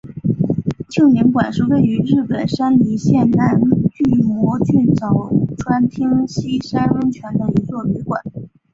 庆云馆是位于日本山梨县南巨摩郡早川町西山温泉的一座旅馆。